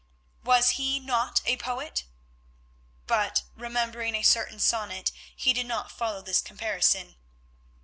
Was he not a poet? But remembering a certain sonnet he did not follow this comparison.